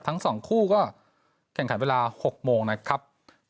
ทั้ง๒คู่ก็แข่งขันเวลา๖โมงนะครับ